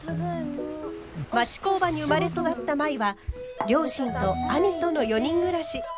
町工場に生まれ育った舞は両親と兄との４人暮らし。